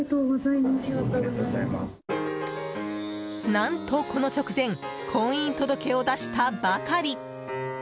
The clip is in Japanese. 何とこの直前婚姻届を出したばかり！